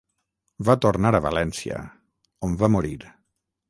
Va tornar a València, on va morir.